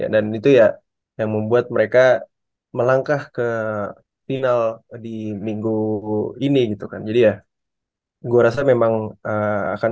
dan itu ya yang membuat mereka melangkah ke final di minggu ini gitu kan jadi ya gua rasa memang akan